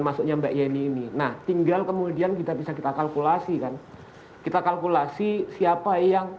masuknya mbak yeni ini nah tinggal kemudian kita bisa kita kalkulasi kan kita kalkulasi siapa yang